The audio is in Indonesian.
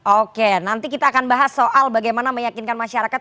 oke nanti kita akan bahas soal bagaimana meyakinkan masyarakat